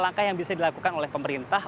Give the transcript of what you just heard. langkah yang bisa dilakukan oleh pemerintah